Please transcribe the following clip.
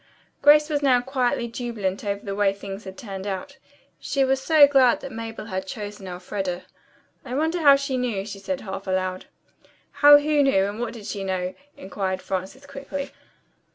Grace was now quietly jubilant over the way things had turned out. She was so glad Mabel had chosen Elfreda. "I wonder how she knew," she said half aloud. "How who knew, and what did she know?" inquired Frances quickly.